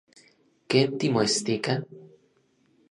¿Ken timoestika?